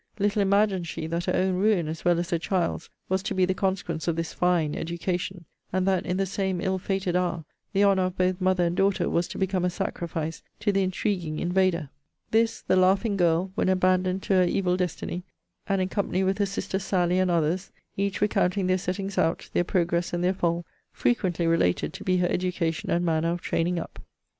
Little imagined she, that her own ruin, as well as her child's, was to be the consequence of this fine education; and that, in the same ill fated hour, the honour of both mother and daughter was to become a sacrifice to the intriguing invader. This, the laughing girl, when abandoned to her evil destiny, and in company with her sister Sally, and others, each recounting their settings out, their progress, and their fall, frequently related to be her education and manner of training up.